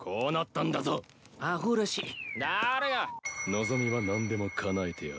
望みは何でもかなえてやろう。